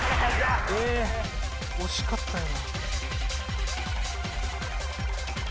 惜しかったよな。